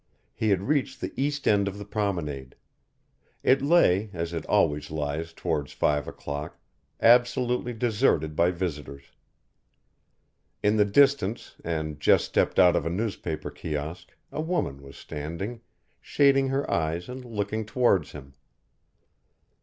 He had reached the east end of the promenade. It lay, as it always lies towards five o'clock, absolutely deserted by visitors. In the distance and just stepped out of a newspaper kiosk a woman was standing, shading her eyes and looking towards him.